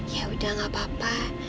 ya udah gak apa apa